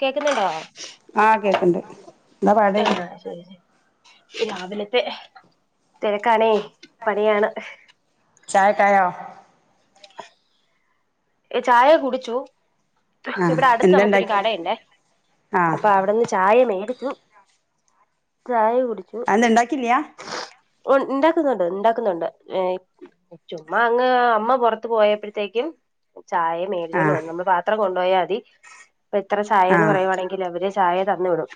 കേക്കുന്നുണ്ടോ ആഹ് കേക്ക്ണ്ട് എന്താ പാട് രാവിലത്തെ തിരക്കാണേ പണിയാണ് ചായക്കെ ആയോ ചായ കുടിച്ചു ആഹ് ഇവിടെ അടുത്ത് നമുക്കൊരു എന്തണ്ടാക്കി കടയുണ്ടേ ആഹ് അപ്പൊ അവിടെന്ന് ചായ മേടിച്ചു ചായ കുടിച്ചു അല്ല ഉണ്ടാക്കില്ല ഉണ്ടാക്കുന്നുണ്ട് ഉണ്ടാക്കുന്നുണ്ട് ചുമ്മ അങ്ങ് അമ്മ പുറത്ത് പോയപ്പോഴത്തേക്കും ചായ മേടിച്ചുകൊണ്ട് ആഹ് വന്നു നമ്മൾ പാത്രം കൊണ്ടുപോയാൽ മതി ഇപ്പ ഇത്ര ചായയെന്ന് ആഹ് പറയുവാണെങ്കിൽ അവര് ചായ തന്നു വിടും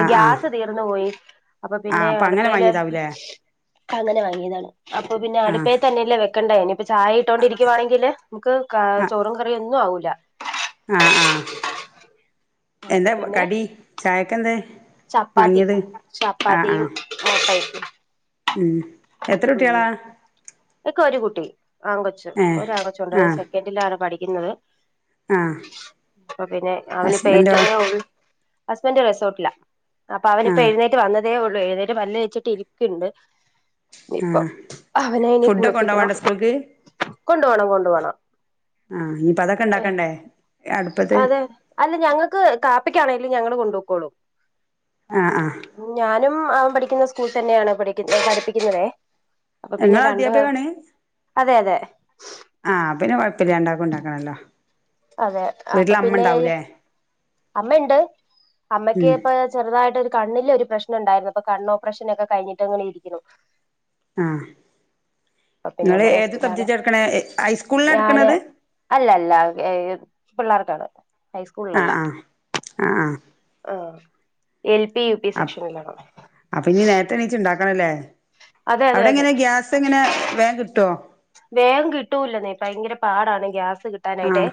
ആഹ് ആഹ് ഗ്യാസ് തീർന്നു പോയി അപ്പൊ പിന്നെ ആഹ് അങ്ങനെ അടുപ്പയില് വാങ്ങിയതാവൂലേ അങ്ങനെ വാങ്ങിയതാണ് അപ്പൊ പിന്നെ ആഹ് അടുപ്പയി തന്നെല്ലേ വെക്കണ്ടായിനി ഇപ്പൊ ചായ ഇട്ടോണ്ടിരിക്കുവാണെങ്കില് നമുക്ക് ആഹ് ചോറും കറിയൊന്നും ആവൂല ആഹ് ആഹ് അപ്പൊ എന്താ പിന്നെ കടി ചായക്കന്തേ ചപ്പാത്തി ചപ്പാത്തിയും മുട്ടയും ഉം എത്ര കുട്ടികളാ എനിക്ക് ഒരു കുട്ടി ആങ്കൊച്ചു ഏഹ് ഒരാങ്കൊച്ചുണ്ട് ആഹ് സെക്കൻഡിലാണ് പഠിക്കുന്നത് ആഹ് അപ്പപിന്നെ അവനിപ്പ ഹസ്ബൻഡോ ഏറ്റതെളളു ഹസ്ബൻഡ് റിസോർട്ടില അപ്പൊ അവനി ഇപ്പ ആഹ് എഴുന്നേറ്റ് വന്നതേ ഉള്ളൂ എഴുന്നേറ്റ് പല്ല് തേച്ചിട്ട് ഇരിക്കുന്നു ആഹ് ഫുഡൊക്കെ കൊണ്ട് വേണ്ടെ സ്കൂൾക്ക് കൊണ്ട് പോണം കൊണ്ട് പോണം ആഹ് ഇനിപ്പ അതൊക്കെ ഉണ്ടാക്കണ്ടേ അതെ അല്ല ഞങ്ങക്ക് കാപ്പിക്കാണേലും ഞങ്ങള് കൊണ്ട്പോക്കോളൂം ആഹ് ആഹ് ഞാനും അവൻ പഠിക്കുന്ന സ്കൂൾ തന്നെയാണ് പഠിപ്പിക്കുന്നുന്നതെ അപ്പൊ പിന്നെ ഇങ്ങള് രണ്ട് അധ്യാപികാണ് അതെ അതെ ആഹ് പിന്നെ കൊഴപ്പില്ലാരണ്ടാക്ക് ഉണ്ടാക്കണല്ലോ അതെ അപ്പൊ വീട്ടില് അമ്മ പിന്നെ ഇണ്ടാവൂലേ അമ്മയുണ്ട് അമ്മക്ക് ഉം ഇപ്പ ചെറുതായിട്ട് ഒരു കണ്ണില് ഒരു പ്രശ്നം ഉണ്ടായിരുന്നു അപ്പൊ കണ്ണ് ഓപ്പറേഷന് ഒക്കെ കഴിഞ്ഞിട്ട് ഇങ്ങനെ ഇരിക്കുന്നു ആഹ് അപ്പൊ പിന്നെ നിങ്ങൾ അമ്മ ഏത് റെസ്റ്റിലാണ് സബ്ജക്ട് എടുക്കണെ ഹൈസ്കൂളില ഞാന് എടുക്കണത് അല്ല അല്ല എൽ പിള്ളേർക്കാണ് ആഹ് ആഹ് ആഹ് ആഹ് ആ L P U P up സെക്ഷനിലാണോ അപ്പൊ ഇനി നേരത്തെ എണീച്ച് ഇണ്ടാക്കണല്ലേ അതെ അതെ അവിടെ അതെ എങ്ങനെ ഗ്യാസ് എങ്ങനെ വേഗം കിട്ടുവോ വേഗം കിട്ടൂലെന്നെ ഭയങ്കര പാടാണ് ഗ്യാസ് കിട്ടാനായിട്ട് ആഹ്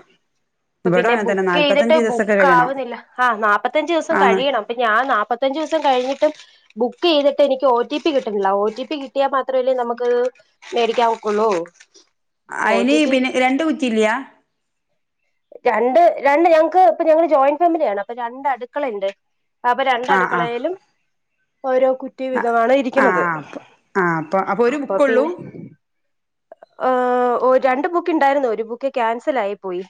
അപ്പ ഇവിടേം പിന്നെ അങ്ങനെ തന്നെ ബുക്ക് ചെയ്തിട്ട് നാല്പത്തഞ്ച് ദിവസൊക്കെ ബുക്ക് കഴിയണം ആവുന്നില്ല ആ നാല്പ്പത്തഞ്ച് ദിവസം ആന്ന് കഴിയണം അപ്പ ഞ്ആനാപ്പത്തഞ്ച് ദിവസം കഴിഞ്ഞിട്ടും ബുക്ക് ചെയ്തിട്ട് എനിക്ക് ഒ ടി പി കിട്ടുന്നില്ല ഒ ടി പി കിട്ടിയാൽ മാത്രമല്ലേ നമുക്ക്ത് മേടിക്കാൻ ഒക്കൊള്ളും അയിന് പിന്നെ രണ്ട് കുറ്റി ഇല്ല്യ രണ്ട് രണ്ട് ഞങ്ങക്ക് ഇപ്പൊ ഞങ്ങള് ജോയിന്റ് ഫാമിലിയാണ് അപ്പൊ രണ്ട് അടുക്കളയുണ്ട് അപ്പൊ രണ്ട് ആഹ് ആഹ് അടുക്കളയിലും ഓരോ കു റ്റി ആഹ് വിധമാണ് ഇരിക്കുന്നത് ആഹ് അപ്പൊ ആഹ് അപ്പൊ ഒരു അപ്പൊ ബുക്കൊള്ളൂ പിന്നെ രണ്ട് ബുക്ക് ഉണ്ടായിരുന്നു ഒരു ബുക്ക് ക്യാൻസൽ ആയി പോയി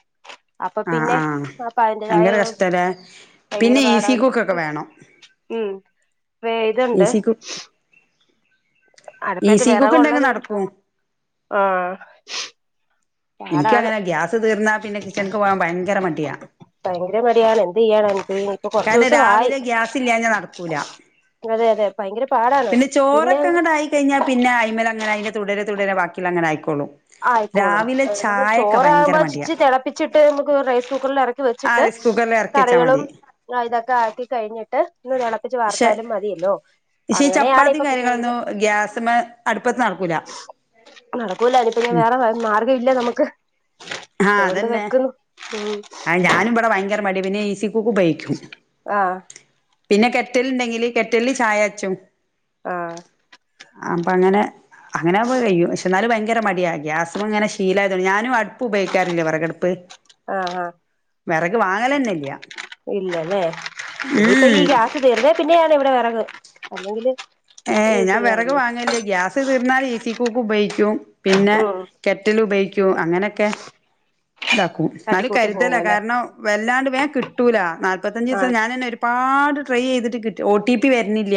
അപ്പൊ ആഹ് പിന്നെ ആഹ് അപ്പൊ അതിന്റതായ ഭയങ്കര കഷ്ടല്ലേ ഭയങ്കര പിന്നെ ഈഫി പാടാണ് കുക്കൊക്കെ വേണം ഉം വേ ഇതുണ്ട് ഈസി കു അടുപ്പത്ത് ഈസി കുക്ക് വിറക്ക് ഉണ്ടെങ്കിൽ ഉള്ളത് കൊണ്ട് നടക്കും ആഹ എനിക്ക് അങ്ങനെ ഗ്യാസ് തീർന്നാ പിന്നെ കിച്ചൺക്ക് പോകാൻ ഭയങ്കര മടിയാ ഭയങ്കര മടിയാണ് എന്ത് ചെയ്യാനാ എനിക്ക് ഇനിയിപ്പൊ കൊറച്ച് കാരണം ദിവസം ആയി രാവിലെ ഗ്യാസ് ഇല്ലാഞ്ഞാ നടക്കൂല അതെ അതെ ഭയങ്കര പാടാണ് പിന്നെങ് കഴിഞ്ഞാ പിന്നെ അയ്മൽ അങ്ങെനെ അയിന്റെ തുടരെ തുടരെ ബാക്കി ഉള്ളത് അങ്ങെനെ ആയിക്കോളും ആയിക്കോളും രാവിലെ [unintelligible] ചായൊക്കെ ഭയങ്കര ചോറാകുമ്പോ മടിയാ ച്ച് തിളപ്പിച്ചിട്ട് നമുക്ക് റൈസ് കുക്കറൽ ഇറക്കി വെച്ചിട്ട് സുഗല്ലറിം കറികളും അ ഇതൊക്കെ ആക്കി കഴിഞ്ഞിട്ട് ഒന്ന് തിളപ്പിച്ച് വാർത്താലും മതിയല്ലോ പക്ഷേ ഈ അങ്ങനെയാണ് ചപ്പാത്തിയും ഇപ്പൊ കാര്യങ്ങളൊന്നും പൊയ്ക്കൊണ്ടിരിക്കാൻ ഗ്യാസമ്മെ അടുപ്പത്ത് നടക്കൂല നടക്കൂല ഇനി പിന്നെ ഉം വേറെ മാർഗം ഇല്ല നമുക്ക് ആഹ അതുകൊണ്ട് അതന്നെ വെക്കുന്നു ഉം ആ ഞാനും ഇവിടെ ഭയങ്കര മടിയാ പിന്നെ ഈസി കുക്ക് ഉപയോഗിക്കും ആഹ് പിന്നെ ക്കെറ്റൽ ഇണ്ടെങ്കില് കെറ്റലില് ചായ കാച്ചും ആഹ് അപ്പ അങ്ങനെ അങ്ങനെ ആവുമ്പോ കഴിയും ക്ഷേ എന്നാലും ഭയങ്കര മടിയാ ഗ്യാസ്മ്മെ ഇങ്ങനെ ശീല ആയതോണ്ട് ഞാനും അടു പ്പ് ഉപയോഗിക്കാറില്ല വിറക്കഅടുപ്പ് ആഹ ആഹ വെറക് വാങ്ങലെന്നെയില്ല ഇല്ലല്ലേ ഇനിയിപ്പ ഈ ഗ്യാസ്സ് തീരുന്നേ പിന്നെ ഞാന് ഇവിടെ വിറക്ക് അല്ലെങ്കില് ഏ യൂസ് ഞാൻ വെറക് ചെയ്യാറില്ല വാങ്ങൽ ഇല്ല ഗ്യാസ് തീർന്നാൽ ഈസി കുക്കും ഉപയോഗിക്കും പിന്നെ ഉം കെറ്റൽ ഉപയോഗിക്കും അങ്ങനെയൊക്കെ ഇതാക്കും ന്നാലും തട്ടിക്കൂട്ടി കരുതല്ല പോവല്ലേ കാരണം വല്ലാണ്ട് വേൻ കിട്ടൂല നാൽപതഞ്ച് ദിവസം ആഹ് ഞാനന്നെരു പാട് ട്രൈ ചെയ്തിട്ട് ഒ ടി പി വരുന്നില്ല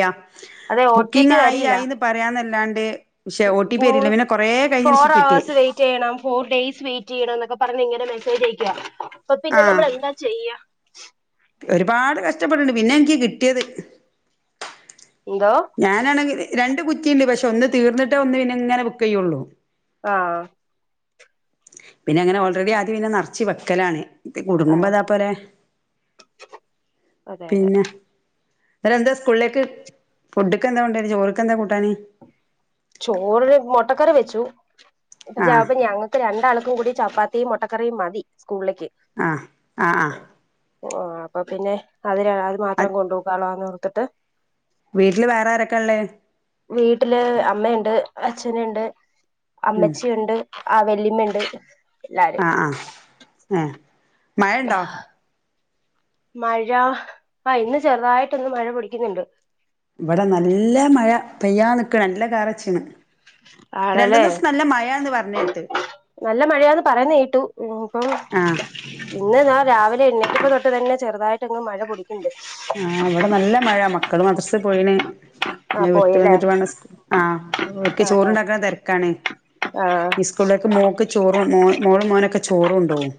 അതെ ഒ ടി ബുക്കിംഗ് പി ആയി വരില്ല ആയിന്ന് പറയാന്നല്ലാണ്ട് പക്ഷേ ഒ ടി പി വരുന്നില്ല പിന്നെ കൊറേ കഴിഞ്ഞെന്റെ ശേഷാ കിട്ടിയേ റ്റെയ്യണം ഫോർ ഡെയ്സ് വെയ്റ്റെയ്യണം ന്നൊക്കെ പറഞ്ഞ് ഇങ്ങനെ മെസേജയക്കുവ. അപ്പൊപ്പിന്നെ ആഹ് നമ്മളെന്താ ചെയ്യ. ഒരുപാട് കഷ്ടപ്പെട്ട്ണ് പിന്നെൻക്ക് കിട്ട്യേത്. എന്തോ ഞാനാണെങ്കില് രണ്ട് കുറ്റിണ്ട്, പക്ഷെ ഒന്ന് തീർന്നിട്ടേ ഒന്ന് പിന്നെങ്ങനെ ബുക്കെയ്യൊള്ളു. ആഹ് പിന്നെ അങ്ങനെ ഓൾറെഡീ ആദ്യം പിന്നെ നർച്ച് വെക്കലാണ്. കുട്ങ്ങുമ്പൊ ആഹ് താ പോലെ അതെ അതെ പിന്നെ ഇവരെന്താ സ്കൂളിലേക്ക് ഫുഡ്ഡ്ക്കെന്താ കൊണ്ടേയത്, ചോറ്ക്കെന്താ കൂട്ടാന്? ചോറ് മൊട്ടക്കറി വെച്ചു. ഇപ്പ ആഹ് ചാപ ഞങ്ങ ഇപ്പ രണ്ടാൾക്കും കൂടി ചപ്പാത്തിയും മൊട്ടക്കറിയും മതി സ്കൂൾലേക്ക്. ആഹ് ആഹ് ആഹ് ഓഹ് അപ്പപ്പിന്നെ അതി രാ അത് മാത്രം കൊണ്ടു പൊക്കോളാന്നോർത്ത്ട്ട് വീട്ടില് വേറാരെക്കേള്ളത്? വീട്ടില് അമ്മ ഇണ്ട് അച്ഛന്ണ്ട് ഉം അമ്മച്ചിയുണ്ട് ആഹ് വെല്ലിമ്മ ഇണ്ട്. ആഹ് ആഹ് ഏഹ്, മഴണ്ടോ? മഴാ ആഹ് ഇന്ന് ചെറുതായിട്ടൊന്ന് മഴ പൊടിക്ക്ന്ന് ണ്ട്. ഇവടെ നല്ല മഴ പെയ്യാൻ നിക്ക്ണ്, നല്ല കാറെച്ച്ണ്. രണ്ടു ആണല്ലേ ദീസം നല്ല മഴാന്ന് പർഞ്ഞേട്ട് നല്ല മഴയാന്ന് പറയുന്നെ കേട്ടു, ഇനിയിപ്പം ആഹ് ഇന്ന് ഞാൻ രാവിലെ എഴുന്നേറ്റപ്പൊ തൊട്ട് തന്നെ ചെറുതായിട്ടങ്ങ് മഴ പൊടിക്ക്ണ്ട്. ആഹ് ഇവടെ നല്ല മഴ, മക്കള് മദ്രസ്സ് പോയിണ് ആ ഇഞ്ഞ് വിട്ട് പോയില്ലേ വെന്ന്ട്ട് വേണം ആഹ്, ഓൽക്ക് ആ ആ ചോറ്ണ്ടാക്കണ തെര്ക്കാണ്. ആ സ് കൂളിലേക്ക് മോക്ക് ചോറും മോ മോളും മോനൊക്കെ ചോറ് കൊണ്ടോവും.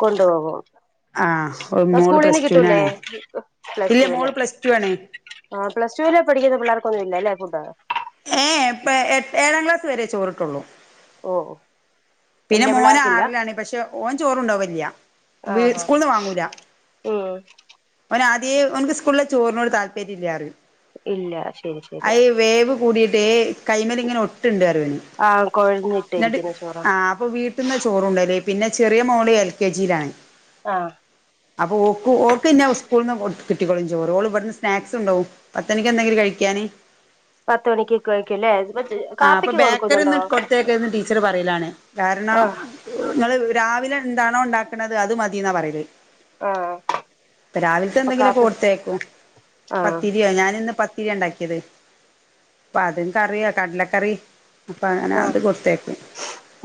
കൊണ്ടുപോവോ, ആഹ് പ്പ മോള് സ്കൂളീന്ന് പ്ലസ് കിട്ടൂല്ലേ? ടുവിനാണ് ഇല്ല പ്ലസ്ടൂന്. മോള് പ്ലസ് ടു ആണ് ആഹ് പ്ലസടൂല് പഠിക്ക്ന്ന പിള്ളാർക്കൊന്നും ഇല്ലല്ലേ ഫുഡ്ഡ്? ഏ ഏ ഇപ്പെ എട് ഏഴാം ക്ലാസ് വരെ ചോറ്ട്ടൊള്ളൂ. ഓഹ് പിന്നെ മോനാറിലാണ് പക്ഷെ, ഓൻ ചോറൊണ്ടോവലില്ല്യ. ആ വീ ആ സ്കൂൾന്ന് വാങ്ങൂല. ഉം ഓനാദ്യേ ഓൻക്ക് സ്കൂൾലെ ചോറിനോട് താല്പര്യല്ലാ പറയും. ഇല്ലാ ശരി ശരി. അയ് വേവ് കൂടീട്ടേ കൈമല്ങ്ങനെ ഒട്ട്ണ്ട് പറയും ഓന്. ആഹ് കൊഴഞ്ഞിട്ടിരിക്കുന്ന ചോറാ. ആഹ് അപ്പൊ വീട്ട്ന്ന ചോറുണ്ണല്, പിന്നെ ചെറിയ മോള് എൽ കെ ജീലാണ്. ആഹ് അപ്പൊ ഓക്കു ഓക്ക്ന്നെ സ്കൂൾന്ന് കിട്ടിക്കോളും ചോറ്, ഓള് വട്ന്ന് സ്നാക്സൊ ണ്ടോവും. പത്തണിക്കെന്തെങ്കിലും കഴിക്കാന് പത്ത് മണിക്ക് കഴിക്കുല്ലേ ആഹ് അപ്പൊ ബേക്കറ്യൊന്ന് കൊട്ത്തേക്കര്ത് ന്ന് ടീച്ചറ് പറയലാണ് കാരണം ആഹ് ഇങ്ങള് രാവിലെ എന്താണോ ഇണ്ടാക്ക്ണത് അത് മതീന്നാ പറയല്. ആഹ് പ്പ രാവിൽത്തെ അപ്പൊ എന്തെങ്കിലൊക്കെ കാപ്പി കൊടുത്തേക്കും. ആഹ് പത്തിര്യോ ഞാനിന്ന് പത് ത്തിര്യാ ഇണ്ടാക്ക്യേത്. പ്പതും കറിയോ കടലക്കറി അപ്പ അങ്ങനെ ആഹ് അത് കൊടുത്തയ്ക്കും.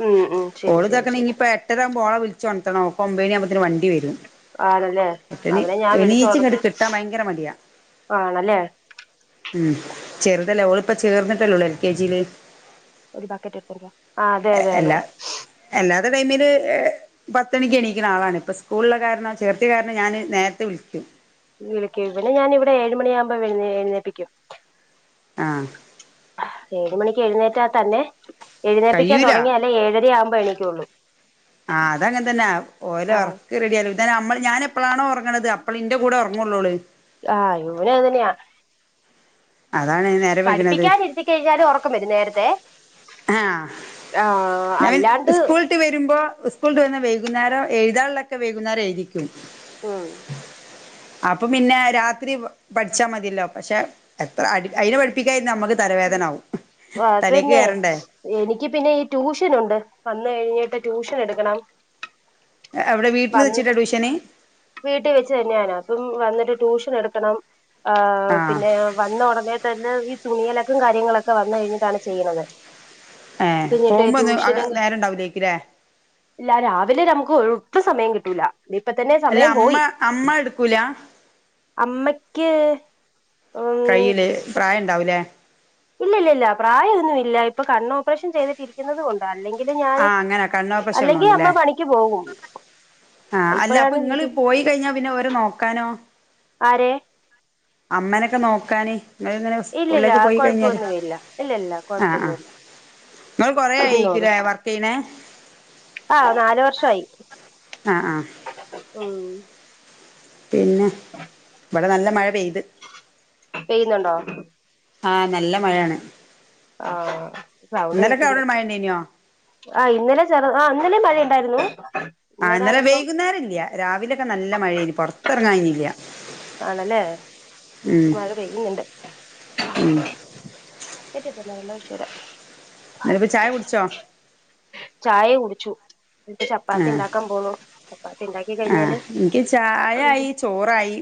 ഉം ഉം ശരി ശരി ഓള്താക്ക്ണ് ശരി ഇനിപ്പേ ട്ടരാവുമ്പൊ ഓളെ വിൾച്ചൊൺത്തണം, ഓക്ക് ഒമ്പണ്യാവുമ്പോത്തിന് വണ്ടി വെരും. ആണല്ലേ പട്ട്ണി അവനെ ഞാൻ എണീച്ച് ങ്ങട്ട് വിളിച്ചുണർത്തി കിട്ടാൻ ഭയങ്കര മടിയാ. ആണല്ലേ ഉം ചെറുതല്ലേ ഓള് ഇപ്പം ചേർന്ന്ട്ടല്ലോള്ളൂ. ഒരു ബക്കറ്റ് എടുത്ത് [unintelligible] ആഹ് അതെ അതെ അതെ എല്ലാ അല്ലാത്ത ടൈമില് എഹ് പത്തണിക്ക് എണീക്ണ ആളാണ്. ഇപ്പ സ്കൂൾള്ള കാരണം ചേർത്തിയ കാരണം ഞാന് നേരത്തെ വിളിക്കും. വിളിക്കും ഇവനെ ഞാന് ഇവിടെ ഏഴുമണിയാകുമ്പോ വെഴുന്നേഎഴുന്നേപ്പിക്കും. ആഹ്. ഏഴ് മണിക്ക് എഴുന്നേറ്റാ തന്നെ എഴുന്നേപ്പിക്കാൻ കഴിയൂല തുടങ്ങിയാല്ലേ ഏഴര ആവുമ്പോ എണീക്കൊള്ളൂ. ആഹ് അതങ്ങൻ തന്നെ ഓലൊർ ക്ക് റെഡിയാല്ലോ ദ ഞമ്മൾ ഞാന് എപ്പളാണോ ഒറങ്ങ്ണത് അപ്പള്, ഇന്റെ കൂടെ ഒർങ്ങൊള്ളു ഓള്. ആഹ് ഇവനു അതെന്നെയാ. അതാണേ നേ പഠിപ്പിക്കാൻ ഇരുത്തി കഴിഞ്ഞാല് ഒറക്കം വരും നേരത്തെ. ആ ആഹ് അല്ലാണ്ട് ട്ട് വരുമ്പോ സ്കൂൾട്ട് വന്നാ വൈകുന്നേരം എഴുതാള്ള ഒക്കെ വൈകുന്നേരം എഴ്തിക്കും. ഉം. [inaudible] അപ്പം പിന്നെ രാത്രി പഠിച്ചാ മതിയല്ലോ പക്ഷെ എത്ര അടി അയിനെ പഠിപ്പിക്കാ ഇര്ന്നാ നമ്മക്ക് തലവേദന ആവും. തലേക്ക് അതന്നെ കേറണ്ടേ. എനിക്ക് പിന്നെ ഈ ട്യൂഷനുണ്ട്. വന്ന് കഴിഞ്ഞിട്ട് ട്യൂഷൻ എടുക്കണം. അഹ് അവിടെ വീട്ടിൽ വെച്ചിട്ടാ ട്യൂഷന്? വീട്ടി വെച്ച് തന്നെയാന് അപ്പം വന്നിട്ട് ട്യൂഷൻ എടുക്കണം. ഏഹ് ആഹ് പിന്നെ വന്ന ഉടനെ തന്നെ ഈ തുണിയലക്കും കാര്യങ്ങളൊക്കെ വന്ന് കഴിഞ്ഞിട്ടാണ് ചെയ്യ്ണത്. ഏഹ്. പോവുമ്പൊന്നും അങ നേരം ഉണ്ടാവൂല്ലേക്കുല്ലേ. ഇല്ല രാവിലെ ര നമുക്ക് ഒട്ടും സമയം കിട്ടൂല. ദേ ഇപ്പ തന്നെ അല്ല സമയം അമ്മ പോയി അമ്മ എടുക്കൂലാ? അമ്മക്ക്യ് കയ്യില് പ്രായം ണ്ടാവൂലേ. ഇല്ല ഇല്ലല്ല പ്രായ ഒന്നുവില്ല. ഇപ്പൊ കണ്ണ് ഓപ്പറേഷൻ ചെയ്തിട്ട് ഇരി ക്കുന്നത് കൊണ്ടാ അല്ലെങ്കിൽ ഞാന് ആഹ് അങ്ങനെ കണ്ണോപ്പറേഷൻ അല്ലെങ്കി അമ്മ ഉള്ളോണ്ട്ല്ലേ പണിക്ക് പോകും. ആഹ് അല്ല അപ്പൊ ഇപ്പോഴാണ് ഇങ്ങള് വീട്ടിൽ പോയി കഴിഞ്ഞാ പിന്നെ ഓരെ നോക്കാനോ. ആരെ? അമ്മനൊക്ക നോക്കാന്. ഇങ്ങള്ങ്ങനെ ഇല്ലില്ല സ്കൂളിലേക്ക് പോയി കഴിഞ്ഞാൽ കൊഴപ്പൊന്നുമില്ല ഇല്ലില്ല ആഹ് ആഹ് കൊഴപ്പൊന്നുമില്ല ഇങ്ങൾ കൊറേ ആയിക്കുലേ വർക്കെയ്യ്ണെ. ആഹ് നാലു വർഷവായി ആഹ് ആഹ് ഉം പിന്നെ ഇവടെ നല്ല മഴ പെയ്ത്. പെയ്യുന്നുണ്ടോ ആഹ് നല്ല മഴാണ്. ആഹ് സൗണ്ട് കേക്ണ്ട്. അവിടെ മഴ ഉണ്ടേനോ ആഹ് ഇന്നലെ ചെറു ആഹ് ഇന്നലെ മഴയുണ്ടായിരുന്നു. ആഹ് ഇന്നലെ വൈകുന്നേരല്ല്യ. രാവിലൊക്കെ നല്ല മഴേനി പ പൊർത്തെർങ്ങാൻ കഴിഞ്ഞീല്ല്യ. ആണല്ലേ ഇന് ഉം പ്പം മഴ പെയ്യുന്ന്ണ്ട്. ഉം [unintelligible] വെള്ളൊഴിച്ചെരാ. ഇന്നലെ പ്പം ചായ കുടിച്ചോ? ചായ കുടിച്ചു എന്നിട്ട് ചപ്പാത്തി ഉണ്ടാക്കാൻ പോണു. ആഹ് എനിക്ക് ചായയായി. ചി ചോറായി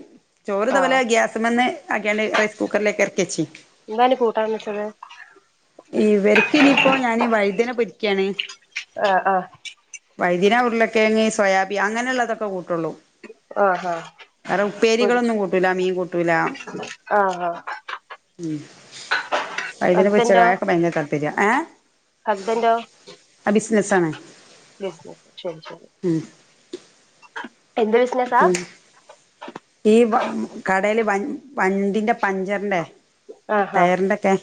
ചോറ്ത ആ പോലെ ഗ്യാസമലെന്നു റൈസ് കുക്കറിലേക്ക് ഇറക്കിവച്ച് എന്താണ് കൂട്ടാൻ വെച്ചത്? ഇവർക്കിനനിയിപ്പോ ഞാനി വൈദ്യനെ പൊരിക്കുകയാണ് ആഹ് ആഹ് വൈദിന ഉരുളക്കേങ്ങ സോയാബി അങ്ങനെയുള്ളള്ളതൊക്കെ കൂട്ടുള്ളൂ ആ ആ വേറെ പൊരി ഉപ്പേരികളൊന്നും കൂട്ടൂല മീൻ കൂട്ടൂല ആ ആ ഉം വൈദ്യനെ പൊരിച്ചതാ ഹസ്ബൻഡോ എ ഭയങ്കര താല്പര്യ ഏഹ് ഹസ്ബൻഡോ ബിസിനസ് ആണ് ശരി ശരി എന്ത്? ബിസിനസാ ഉം ഈ വ കടല് വ വണ്ടിന്റെ പഞ്ചറിന്റെ. ആഹ്ഹ ടയറിന്റെക്കെ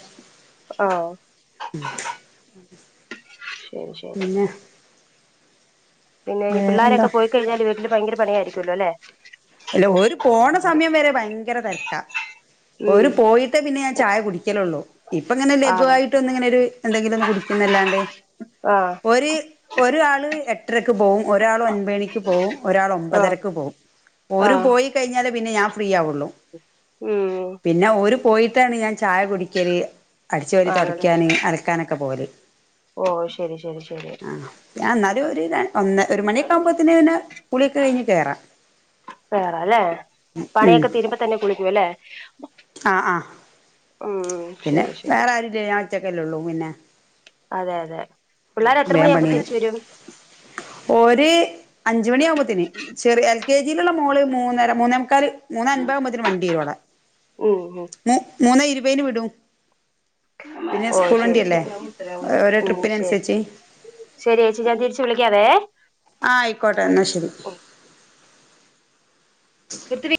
ആഹ് ശരി ശരി പിന്നെ പിന്നെ വേറെന്താ പിള്ളോരൊക്കെ പോയിക്കഴിഞ്ഞാല് വീട്ടില് ഭയങ്കരപണിയയിരിക്കുല്ലോ അല്ലേ? അല്ല ഒരു പോണ സമയം വരെ ഭയങ്കര തിരക്ക ഒരു ഉം പോയി ട്ട് പിന്നെ ഞൻ ചായ കുടിക്കലുള്ളൂ ഇപ്പ ഇങ്ങനെ ആണോ ലഘുവയിട്ട് ഒന്ന് ഇങ്ങനെരു എന്തെങ്കിലും ഒന്ന് കുടിക്കുന്നല്ലാണ്ട ആഹ് ഒരു ഒരാള് എട്ടരക്ക് പോവും ഒരാൾ ഒൻപണിക്ക് പോവും ഒരാൾ ആഹ് ഒമ്പതരക്ക് പോവും. ഒരു ആഹ് പോയി കഴിഞ്ഞാലേ പിന്നെ ഞാൻ ഫ്രീ ആവുള്ളു ഉം പിന്നെ ഒരു പോയിട്ടാണ് ഞാന് ചായ കുടിക്കല് അടിച്ച് വാരി ആണല്ലേ തുടയ്ക്കാന് അലക്കാനൊക്കെ പോവല്. ഓ ശരി ശരി ശരി ആ ഞാൻ എന്നാലും ഒരു ഒ ഒരു മണിയൊക്കെ ആകുമ്പോത്തന്നെ ഇന്നെ കുളിയൊക്കെ കഴിഞ്ഞ് കേറാം. കേറാല്ലേ ഉം പണിയൊക്കെ തീരുമ്പ തന്നെ കുളിക്കും അല്ലെ ആഹ് ആഹ പിന്നെ ശരി ശരി വേറെ ആരൂല്ലേ ഞാൻ ഒറ്റക്കല്ലേള്ളൂ പിന്നെ അതെ അതെ പിള്ളേരെ എത്ര മണി വേഗം ആകുമ്പോൾ പണി കഴിയും തിരിച്ച് വരും? ഓര് അഞ്ച് മണിയ ആവുമ്പോത്തന് ചെറിയ എൽ കെ ഇയിലുള്ള മോള് മൂന്നര മൂന്നേമുക്കാല് മൂന്ന അൻപാകുമ്പത്തേന് വണ്ടി വരുടെ ഉം ഉം മ മൂന്നേ ഇരുപതിന് വിടൂ പിന്നെ ഓ സ്കൂള ശരി വണ്ടില്ലേ ശരി ഓരേ ഉം ശരി ട്രിപ്പിനനുസരിച്ച്. ശരി ശരിയാ ഞാൻ തിരിച്ചു വിളിക്കാ വെ. ആഹ ആയിക്കോട്ടെ എന്നാ ശരി ഇത്തിരി